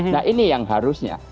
nah ini yang harusnya